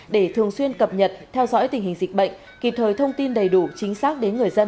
để thường xuyên cập nhật theo dõi tình hình dịch bệnh kịp thời thông tin đầy đủ chính xác đến người dân